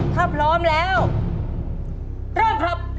ถ้าพร้อมแล้วเริ่มครับ